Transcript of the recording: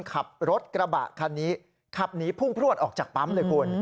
ขับรถกระบะคันนี้ขับหนีพุ่งพลวดออกจากปั๊มเลยคุณ